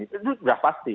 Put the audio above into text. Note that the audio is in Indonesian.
itu sudah pasti